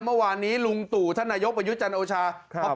เมื่อวานนี้ลุงตู่ท่านนายกประยุจันทร์โอชาครับ